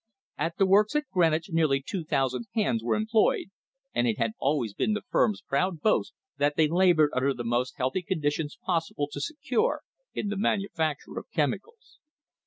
At the works at Greenwich nearly two thousand hands were employed, and it had always been the firm's proud boast that they laboured under the most healthy conditions possible to secure in the manufacture of chemicals.